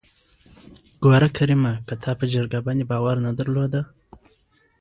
ګوره کريمه که تا په جرګه باندې باور نه درلوده.